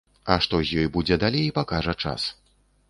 А што з ёй будзе далей, пакажа час.